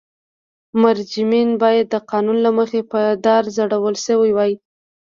مجرمین باید د قانون له مخې په دار ځړول شوي وای.